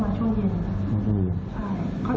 เขาปฏิเชียบชายคนต่างการว่ะ